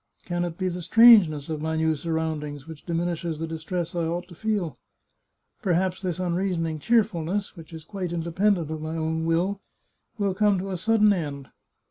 Can it be the strangeness of 330 The Chartreuse of Parma my new surroundings which diminishes the distress I ought to feel? Perhaps this unreasoning cheerfulness, which is quite independent of my own will, will come to a sudden end?